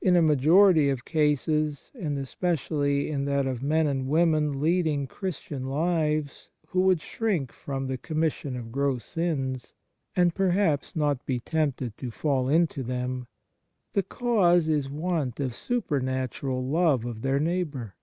In a majority of cases, and especially in that of men and women leading Christian lives who would shrink from the com mission of gross sins, and perhaps not be tempted to fall into them, the cause is want of supernatural love of their neigh bour.